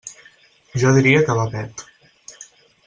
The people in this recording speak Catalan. Jo diria que va pet.